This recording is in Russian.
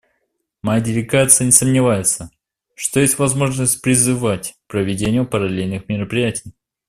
Моя делегация не сомневается, что есть возможность призывать к проведению параллельных мероприятий.